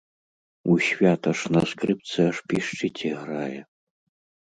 У свята ж на скрыпцы, аж пішчыць, іграе.